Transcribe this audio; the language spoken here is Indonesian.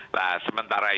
nah sementara itu